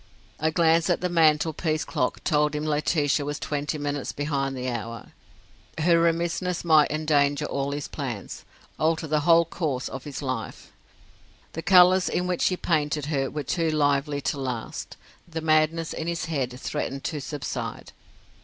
A glance at the mantel piece clock told him Laetitia was twenty minutes behind the hour. Her remissness might endanger all his plans, alter the whole course of his life. The colours in which he painted her were too lively to last; the madness in his head threatened to subside.